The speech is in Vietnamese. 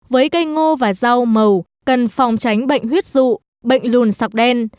với cây ngô và rau màu cần phòng tránh bệnh huyết dụ bệnh lùn sọc đen